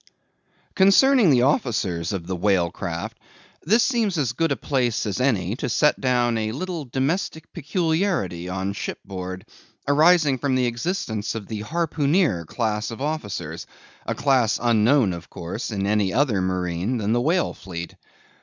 Concerning the officers of the whale craft, this seems as good a place as any to set down a little domestic peculiarity on ship board, arising from the existence of the harpooneer class of officers, a class unknown of course in any other marine than the whale fleet.